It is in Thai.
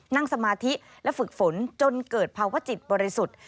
นั่งสมาธิและฝึกฝนจนเกิดภาวะจิตบริสุทธิ์